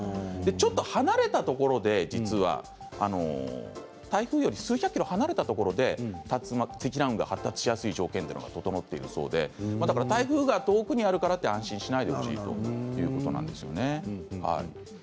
ちょっと離れたところで台風より数百ｋｍ離れたところで竜巻積乱雲が発達しやすい条件が整ってるということで台風が遠くにあるからと安心しないでほしいということでした。